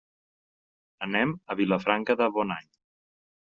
Anem a Vilafranca de Bonany.